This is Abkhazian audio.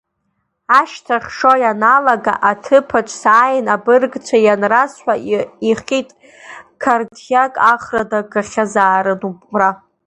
Ашьҭахь, шо ианалага, аҭыԥаҿ сааин абыргцәа ианрасҳа, иҳит, Қардиак ахра дагахьазаарын убра…